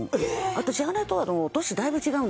私姉とは年だいぶ違うんですよ。